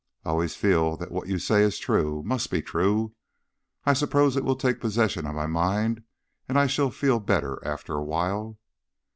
"I always feel that what you say is true must be true. I suppose it will take possession of my mind and I shall feel better after a while."